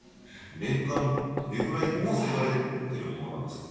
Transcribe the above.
年間どれぐらい稼がれてるものなんですか？